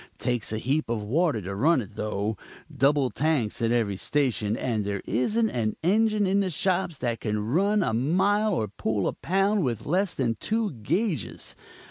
Takes a heap of water to run it, though; double tanks at every station, and there isn't an engine in the shops that can run a mile or pull a pound with less than two gauges.